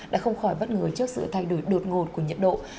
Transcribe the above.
đã không khỏi bắt người trước sự thay đổi đột ngột của nhiệt độ